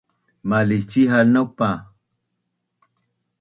Malisci’hal naupa